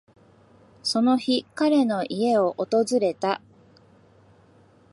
その日、彼の家を訪れた。